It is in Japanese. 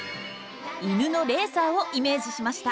犬のレーサーをイメージしました。